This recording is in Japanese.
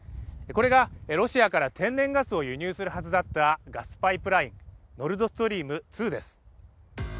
これがロシアから天然ガスを輸入するはずだったガスパイプライン、ノルドストリーム２です。